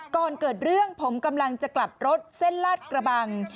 ก่อนเกิดเรื่องผมกำลังจะกลับรถเส้นลาดกระบัง